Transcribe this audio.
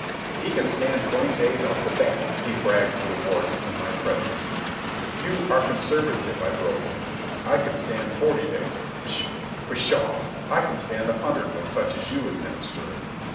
"He can stand twenty days off the bat," he bragged to the Warden in my presence. "You are conservative," I broke in. "I can stand forty days. Pshaw! I can stand a hundred when such as you administer it."